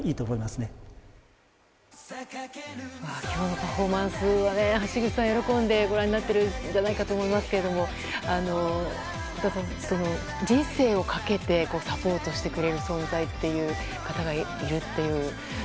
今日のパフォーマンスは橋口さん、喜んでご覧になってるんじゃないかと思いますけど詩さん、人生をかけてサポートしてくれる存在って方がいるという。